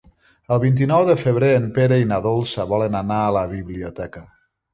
El vint-i-nou de febrer en Pere i na Dolça volen anar a la biblioteca.